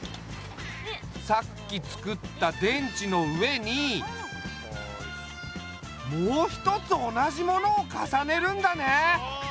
さっきつくった電池の上にもう一つ同じものを重ねるんだね。